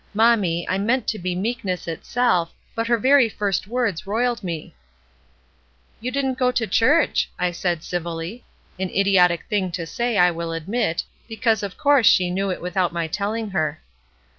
Mommy, I meant to be meekness itself, but her very first words roiled me. THE VICTORS 75 '"You didn't go to church/ I said civilly. An idiotic thing to say I will admit, because of course she knew it without my telling her.